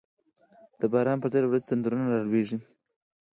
د باران پر ځای له وریځو، تندرونه را کوزیږی